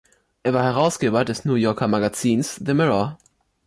Er war Herausgeber des New Yorker Magazins „The Mirror“.